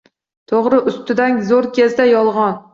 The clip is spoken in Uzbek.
To‘g‘rilik ustidan zo‘r kelsa yolg‘on